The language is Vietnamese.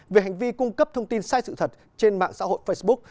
về hành vi cung cấp thông tin sai sự thật trên mạng xã hội facebook